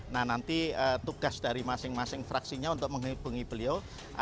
nah nanti tugas dari masing masing fraksinya untuk menghubungi beliau